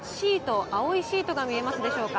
青いシートが見えますでしょうか。